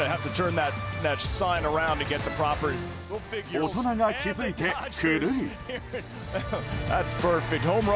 大人が気づいて、くるり。